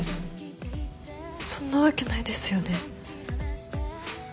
そんなわけないですよね？